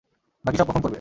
বাকি সব কখন করবে?